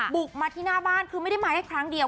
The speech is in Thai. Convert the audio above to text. บุกมาที่หน้าบ้านคือไม่ได้มาแค่ครั้งเดียว